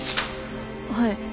はい。